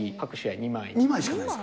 ２枚しかないんですか？